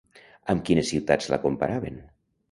Amb quines ciutats la comparaven?